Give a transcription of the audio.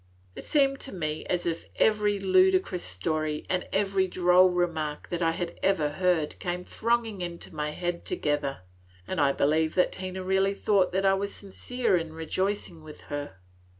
It seemed to me as if every ludicrous story and every droll remark that I had ever heard came thronging into my head together. And I believe that Tina really thought that I was sincere in rejoicing with her.